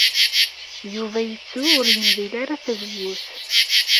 Yuba yettu ur yemdil ara tazewwut.